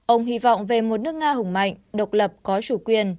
ông hy vọng về một nước nga hùng mạnh độc lập có chủ quyền